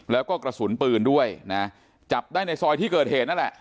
แล้วก็กระสุนปืนด้วยนะจับได้ในซอยที่เกิดเหตุนั่นแหละ